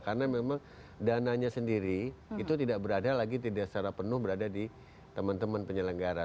karena memang dananya sendiri itu tidak berada lagi tidak secara penuh berada di teman teman penyelenggara